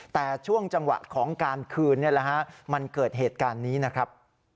แต่ช่วงจังหวะของการคืนมันเกิดเหตุการณ์นี้นะครับ